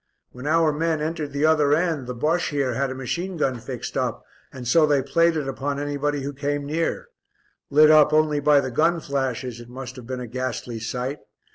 "When our men entered the other end the Bosche here had a machine gun fixed up and so they played it upon anybody who came near; lit up only by the gun flashes it must have been a ghastly sight.